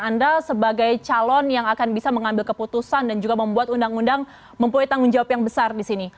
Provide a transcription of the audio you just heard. anda sebagai calon yang akan bisa mengambil keputusan dan juga membuat undang undang mempunyai tanggung jawab yang besar di sini